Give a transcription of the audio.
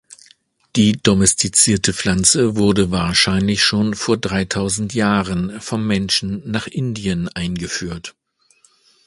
Die domestizierte Pflanze wurde wahrscheinlich schon vor dreitausend Jahren vom Menschen nach Indien eingeführt.